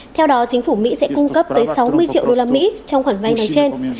theo đó chính phủ mỹ sẽ cung cấp tới sáu mươi triệu usd trong khoảng vài năm trên